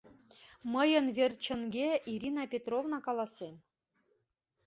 Мыйын верчынге Ирина Петровна каласен.